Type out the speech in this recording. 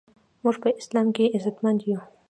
مونږ په اسلام عزتمند یو